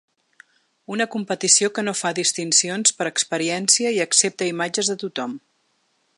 Una competició que no fa distincions per experiència i accepta imatges de tothom.